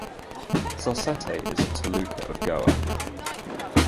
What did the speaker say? Salcete is a taluka of Goa.